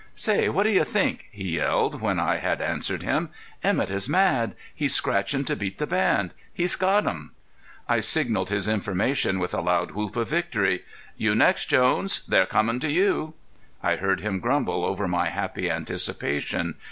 "Say, what do you think?" he yelled, when I had answered him. "Emett is mad. He's scratching to beat the band. He's got 'em." I signalled his information with a loud whoop of victory. "You next, Jones! They're coming to you!" I heard him grumble over my happy anticipation.